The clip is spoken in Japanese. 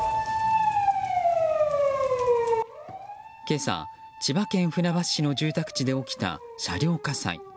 今朝、千葉県船橋市の住宅地で起きた車両火災。